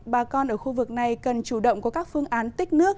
bà con ở khu vực này cần chủ động có các phương án tích nước